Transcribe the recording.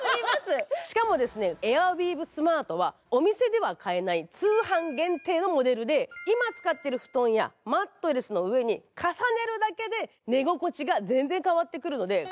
しかも、エアウィーヴスマートはお店では買えない通販限定のモデルで今使っている布団やマットレスの上に重ねるだけで寝心地が全然変わって来るので。